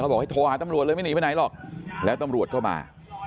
บอกให้โทรหาตำรวจเลยไม่หนีไปไหนหรอกแล้วตำรวจก็มา